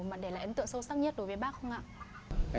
mà để lại ấn tượng sâu sắc nhất đối với bác không ạ